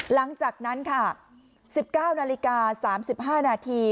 หลังจากนั้นค่ะสิบเก้านาฬิกาสามสิบห้านาที